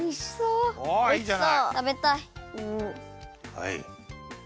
はい。